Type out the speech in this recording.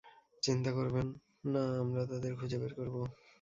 চিন্তা করবেননা, আমরা তাদের খুঁজে বের করব।